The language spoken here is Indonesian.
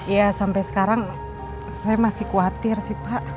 ya sampai sekarang saya masih khawatir sih pak